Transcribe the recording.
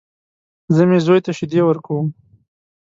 زه مې زوی ته شيدې ورکوم.